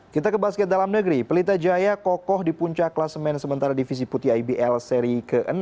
kita ke basket dalam negeri pelita jaya kokoh di puncak kelas main sementara divisi putih ibl seri ke enam